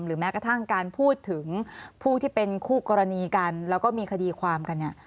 แม้กระทั่งการพูดถึงผู้ที่เป็นคู่กรณีกันแล้วก็มีคดีความกันเนี่ย